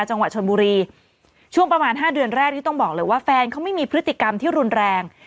จังหวัดชนบุรีช่วงประมาณห้าเดือนแรกนี่ต้องบอกเลยว่าแฟนเขาไม่มีพฤติกรรมที่รุนแรง